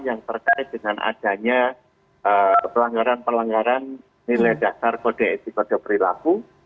yang terkait dengan adanya pelanggaran pelanggaran nilai dasar kode etik kode perilaku